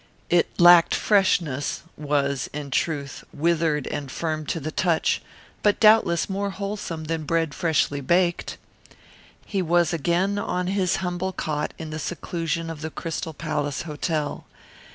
It lacked freshness; was, in truth, withered and firm to the touch, but doubtless more wholesome than bread freshly baked. He was again on his humble cot in the seclusion of the Crystal Palace Hotel.